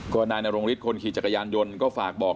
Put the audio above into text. ก็นายนรงฤทธิคนขี่จักรยานยนต์ก็ฝากบอก